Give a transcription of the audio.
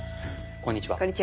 こんにちは。